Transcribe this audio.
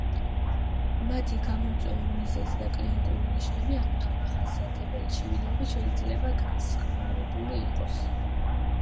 მათი გამომწვევი მიზეზი და კლინიკური ნიშნები, ანუ დამახასიათებელი ჩივილები, შეიძლება განსხვავებული იყოს.